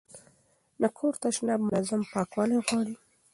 د کور تشناب منظم پاکوالی غواړي.